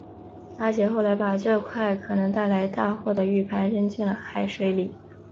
阿杰后来把这块可能带来大祸的玉牌扔进了海水里。